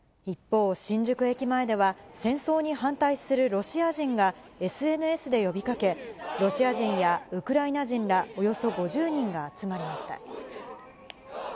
一方、新宿駅前では、戦争に反対するロシア人が、ＳＮＳで呼びかけ、ロシア人やウクライナ人らおよそ５０人が集まりました。